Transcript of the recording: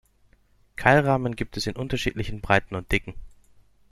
Keilrahmen gibt es in unterschiedlichen Breiten und Dicken.